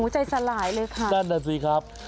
ใจสลายเลยค่ะนั่นน่ะสิครับ